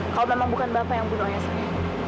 kalau memang bukan bapak yang bunuh ayah saya